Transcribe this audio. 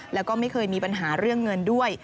แล้วก็ไม่เคยมีปัญหาเรื่องเงินด้วย